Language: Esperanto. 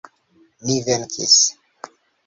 Ni venkis!